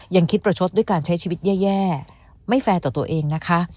ยังคิดประชดด้วยการใช้ชีวิตแย่ไม่แฟร์ต่อตัวเองนะคะ